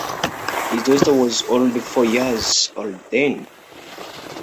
His daughter was only four years old then.